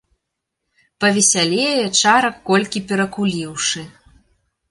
Павесялее, чарак колькі перакуліўшы.